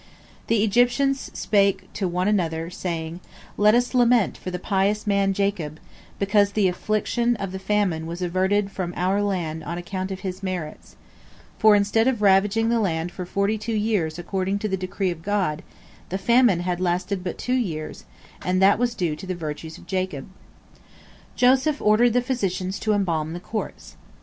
The Egyptians spake to one another, saying, "Let us lament for the pious man Jacob, because the affliction of the famine was averted from our land on account of his merits," for instead of ravaging the land for forty two years according to the decree of God, the famine had lasted but two years, and that was due to the virtues of Jacob. Joseph ordered the physicians to embalm the corpse.